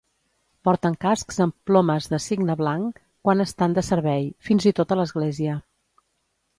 Porten cascs amb plomes de cigne blanc quan estan de servei, fins i tot a l"església.